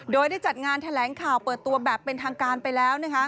โดยได้จัดงานแถลงข่าวเปิดตัวแบบเป็นทางการไปแล้วนะคะ